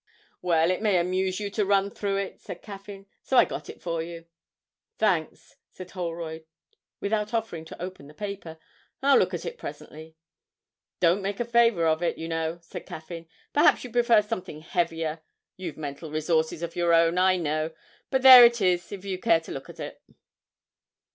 'Well, it may amuse you to run through it,' said Caffyn, 'so I got it for you.' 'Thanks,' said Holroyd, without offering to open the paper. 'I'll look at it presently.' 'Don't make a favour of it, you know,' said Caffyn; 'perhaps you prefer something heavier (you've mental resources of your own, I know); but there it is if you care to look at it.'